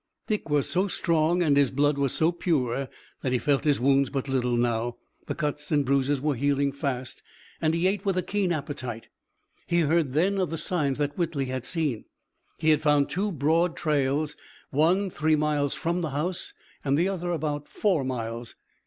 Dick was so strong and his blood was so pure that he felt his wounds but little now. The cuts and bruises were healing fast and he ate with a keen appetite. He heard then of the signs that Whitley had seen. He had found two broad trails, one three miles from the house, and the other about four miles.